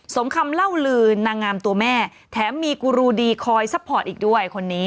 สมคำเล่าลืนนางงามตัวแม่แถมมีกูรูดีคอยซัพพอร์ตอีกด้วยคนนี้